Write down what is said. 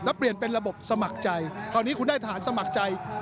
แล้วเปลี่ยนเป็นระบบสมัครใจคราวนี้คุณได้ทหารสมัครใจ